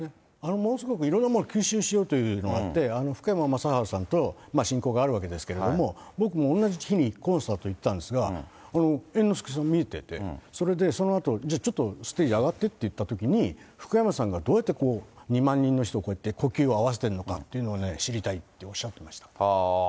ものすごくいろんなものを吸収しようというのがあって、福山雅治さんと親交があるわけですけれども、僕も同じ日にコンサート行ったんですが、猿之助さん見てて、それでそのあと、じゃあちょっとステージ上がってって言ったときに、福山さんがどうやってこう２万人の人の呼吸を合わせてるのかっていうのをね、知りたいっておっしゃってました。